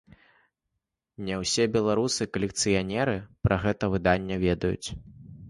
Але не ўсе беларусы-калекцыянеры пра гэта выданне ведаюць.